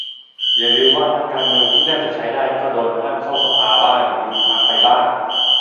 อย่าลืมว่านักการเมืองที่น่าจะใช้ได้ก็โดนห้ามเข้าสภาบ้าง ยุบพรรคไปบ้าง